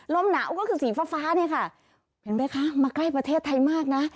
ลมหนาวก็คือสีฟ้าเนี่ยค่ะเห็นไหมคะมาใกล้ประเทศไทยมากนะ